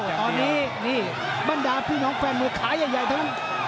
ตอนนี้นี่บรรดาพี่น้องแฟนมวยขายใหญ่ทั้ง